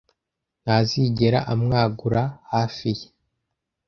ntazigera amwagura hafi ye